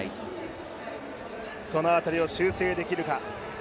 その辺りを修正できるか。